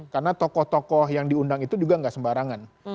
karena tokoh tokoh yang diundang itu juga tidak sembarangan